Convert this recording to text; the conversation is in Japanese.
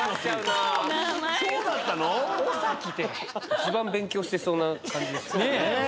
一番勉強してそうな感じでしたよね。